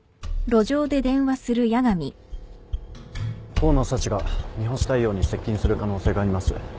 河野幸が三星大陽に接近する可能性があります。